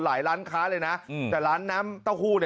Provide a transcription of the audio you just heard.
ร้านค้าเลยนะแต่ร้านน้ำเต้าหู้